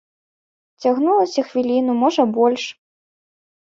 Цягнулася хвіліну, можа, больш.